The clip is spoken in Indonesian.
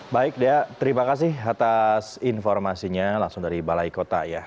baik dea terima kasih atas informasinya langsung dari balai kota ya